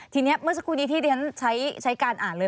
ทีนี้เมื่อสักครู่นี้ที่ดิฉันใช้การอ่านเลย